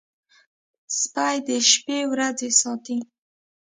سپي د شپې ورځي ساتي.